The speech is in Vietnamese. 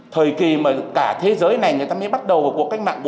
thời kỳ mà cả thế giới này người ta mới bắt đầu